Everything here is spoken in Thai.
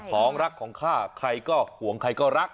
ของรักของข้าใครก็ห่วงใครก็รัก